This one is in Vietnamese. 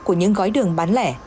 của những gói đường bán lẻ